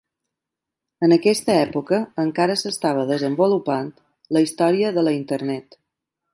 En aquesta època encara s'estava desenvolupant la Història de la Internet.